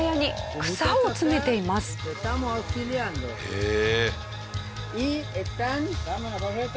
へえ。